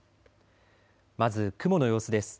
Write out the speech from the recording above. まず雲の様子です。